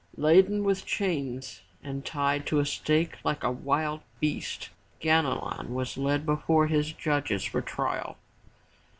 Laden with chains and tied to a stake like a wild beast Ganelon was led before his judges for trial.